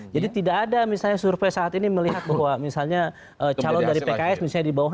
jadi tidak ada survei saat ini melihat bahwa misalnya calon dari pks misalnya di bawah